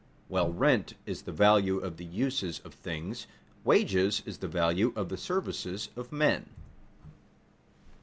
While rent is the value of the uses of things, wages is the value of the services of men.